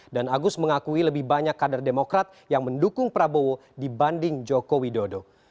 agus mengakui lebih banyak kader demokrat yang mendukung prabowo dibanding joko widodo